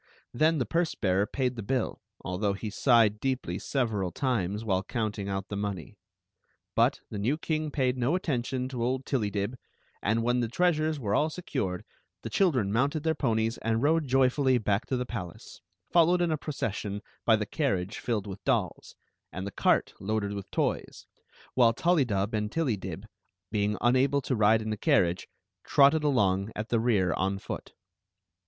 Then the purse bearer paid the bill, although he sighed deeply several times while counting out the money. But the new king paid no attention to old Tillydib; 96 Queen Zixi of Ix ; or, the and when the treasures were all secured the children mounted their ponies and rode joyfully back to the palace, followed in a procession by the carriage filled with dolls, and the cart loaded with toys, while Tully dub and Tillydib, being unable to ride in the carriage, trotted along at the rear on foot.